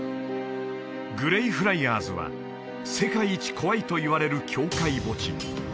グレイフライアーズは世界一怖いといわれる教会墓地